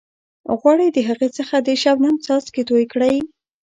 غواړئ د هغې څخه د شبنم څاڅکي توئ کړئ.